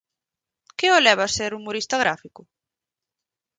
Que o leva a ser humorista gráfico?